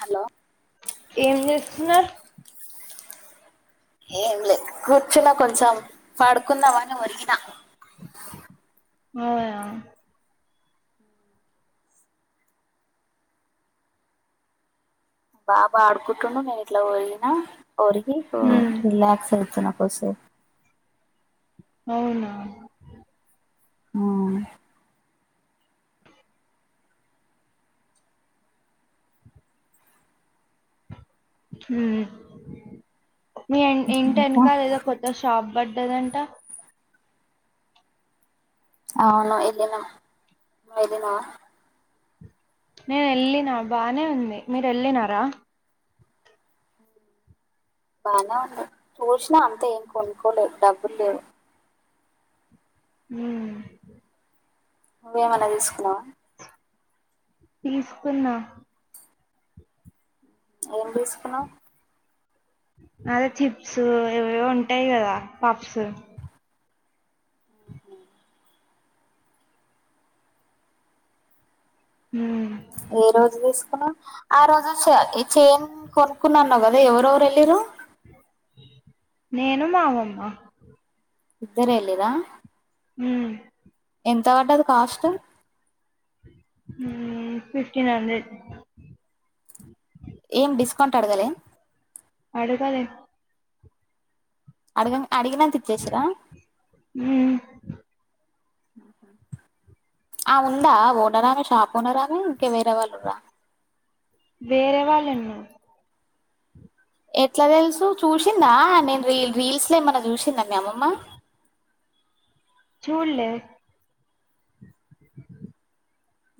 hello ఏం జెస్తున్నర్ ఏం లేదు కూర్చున్న కొంచెం పడుకుందామనే ఒరిగినా ఔదా బాబాడుకుంటుండు నేను ఇట్లా ఒరిగిన ఒరిగి ఉమ్ రిలాక్స్ అయితున్నా కోసెప్ అవునా ఆ ఉమ్ మీ ఇంకా ఇంటెనకల ఏదో కొత్త షాప్ బడ్ డ్డదంట అవును ఇదిన మిదిన నేనేళ్ళిన బానే ఉంది మీరెళ్ళినారా బానే ఉంది చూసినా అంత ఏం కొనుక్కోలేదు డబ్బుల్ లేవు ఉమ్ నువ్వేమన్న తీసుకున్నావ తీసుకున్నా ఏం తీసుకున్నావ్ అదే చిప్స్ ఇవేవో ఉంటాయి కదా పప్స్ ఉమ్ ఏ రోజు తీసుకున్నా ఆ రోజు చేన్ కొనుకున్నాన్నావ్ కదా ఎవరెవరు ఎళ్ళిర్రు పో నేను మా అమ్మమ్మా ఇద్దరె ఎల్లిర్రా ఉమ్ ఎంత పడ్డది కాస్ట్ ఉమ్ ఫిఫటీన్ హండ్రెడ్ ఏం డిస్కౌంట్ అడగలే అడగలే అడగన్ అడిగినంత ఇచ్చేసిరా ఉమ్ ఆ ఆముందా ఓనరామె షాప్ ఓనరామే ఇంక వేరే వాళ్ళుర్రా వేరె వాళ్లేన్నా ఎట్లా తెల్సు చూసిందా నేన్ రి రీల్స్ ల ఏమన్నా చూసిందా మీ అమ్మమ్మ చూల్లే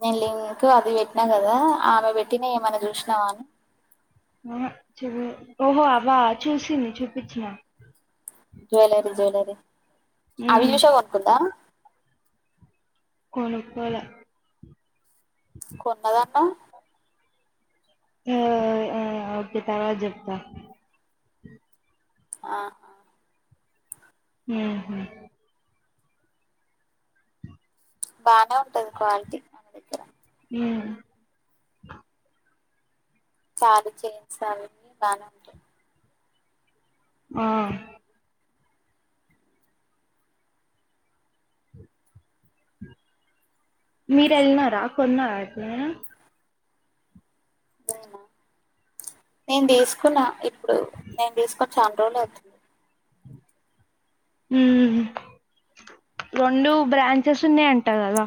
నేన్ లింకు అది పెట్టినా కదా ఆమె పెట్టినై ఏమన్నా చూసినావాని ఓహో అవ్వా చూసింది చూపించిన జ్య్వలరి జ్య్వలరి అవి ఉమ్ చూసే కొనుకుందా కొనుక్కొలే కొన్నదన్నవ్ అ ఆ ఓకే తర్వాత్ చెప్తా ఆహ ఉమ్హా బానే ఉంటది క్వాలిటీ ఉమ్ తాడు చేన్స్ అవన్నీ బానే ఉంటయ్ ఆ మీరెల్న్నారా కొన్నార ఎప్పుడైనా నేనా నేన్ తీసుకున్న ఇప్పుడు నేన్ తీసుకొని చాన్ రోజులే అయితుంది ఉమ్ రెండు బ్రాంచెస్ ఉన్నాయంటా కదా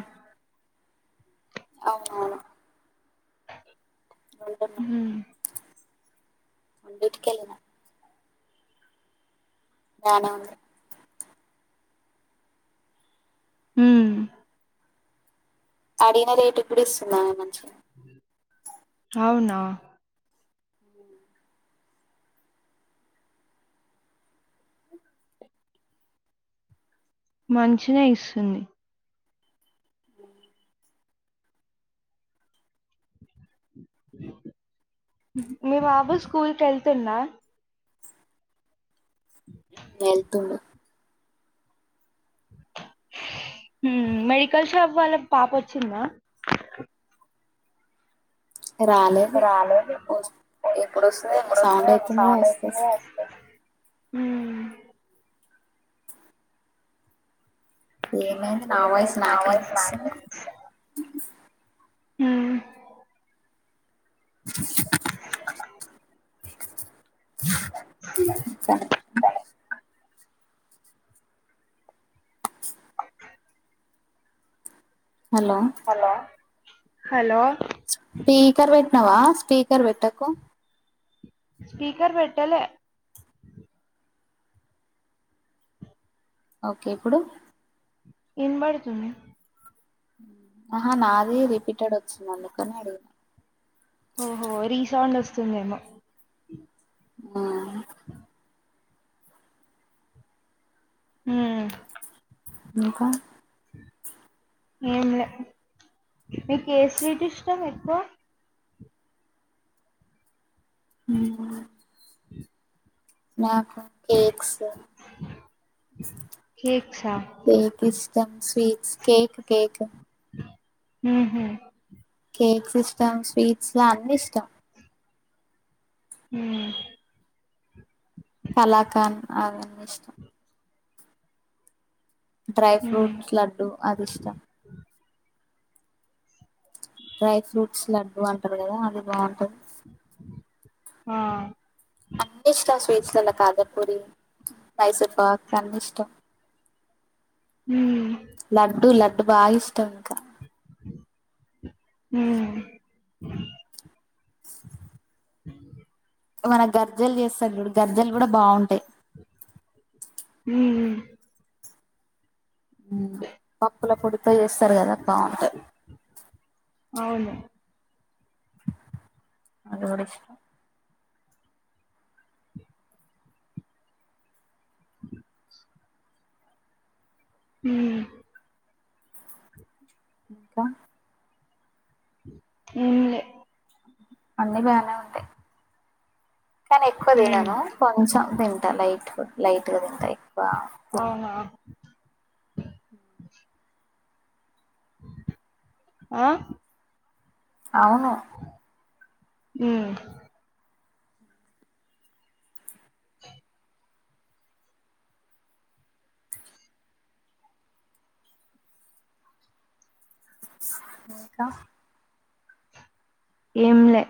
అవునావును హ్మ్ రొండిటికెళ్ళినా బానే ఉందే ఉమ్ అడిగిన రేటు కూడా ఇస్తుందమే మంచిగా అవునా ఉ మంచినే ఇస్తుంది మీ బాబు స్కూల్ కెళ్తుండా వెళ్తుండు ఉమ్ మెడికల్ షాప్ వాళ్ళక్ పాపచ్చింద రాలేదు రాలేదు వస్ ఎప్పుడు వస్తుంది ఎప్పుడు సౌండ్ వస్తదో ఏమో అయితుంది సౌండ్ వస్తుంది అయితనే వస్త ఉమ్ ఏమైంది నా వాయిసు నా నాకే వాయిస్ నాకే ఇనిపిస్తుంది వినిపిస్తుంది ఉమ్ హలో హలో హలో స్పీకర్ పెట్టినావా స్పీకర్ పెట్టకు స్పీకర్ పెట్టలేె ఓకే ఇప్పుడు ఎన్బడుతుంది ఆహా నాది రిపీటెడ్ వచ్చింది అందుకని అడుగ్ ఓహో రీసౌండ్ వస్తుందేమో ఆ ఉమ్ ఇంకా ఏం లే మీకు ఏ స్వీట్ ఇష్టం ఎక్కువ [inaudible] నాకు కేక్స్ లేక్స్ ఆహ్ కేక్ ఇష్టం స్వీట్స్ కేక్ కేక్ ఉహ్మ్ కేక్స్ ఇష్టం స్వీట్స్ అన్నిష్టం ఉమ్ కళాకాంద్ అవన్నీష్టం డ్రై ఉమ్ ఫ్రూట్స్ లడ్డూ అదిష్టం డ్రై ఫ్రూట్స్ లడ్డు అంటారు కదా అది బాగుంటది ఆ అన్నిష్టం స్వీట్స్లలా కాదన్ పొది మైసూర్పక్ అన్నీ ఇష్టం ఉమ్ లడ్డు లడ్డు బాగా ఇష్టం ఇంకా అ మన గర్జలు చేస్తారు గర్జలు కూడా బాగుంటాయి హ్మ్మ్ పప్పుల పొడితో చేస్తారు కదా బొంటై అవును అదికూడా ఇష్టం హ్మ్ ఇంకా ఎంలే అన్నీ బానే ఉంటాయి కానీ ఎక్కువ ఉమ్ తినను కొంచెం తి లైట్ ఫుడ్ లైట్గా తింటా ఎక్కువ తి అవునా ఆ అవును ఆ ఇంక ఎంలె